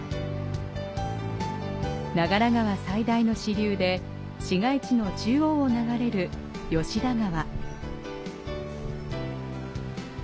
長良川最大の支流で市街地の中央を流れる吉田川。